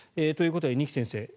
ということで二木先生